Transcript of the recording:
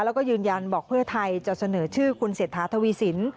แล้วก็ยืนยันบอกเพื่อไทยจะเสนอชื่อคุณเศรษฐาทวีสิน